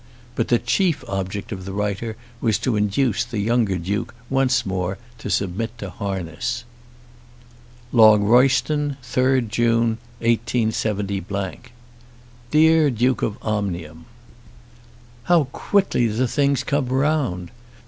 But the chief object of the writer was to induce the younger Duke once more to submit to harness. Longroyston, 3rd June, 187 . DEAR DUKE OF OMNIUM, How quickly the things come round!